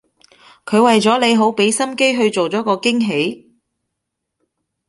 佢為咗你好畀心機去做咗個驚喜